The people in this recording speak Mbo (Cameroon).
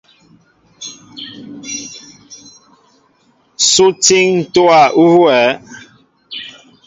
Sú étííŋ ntówa huwɛέ ?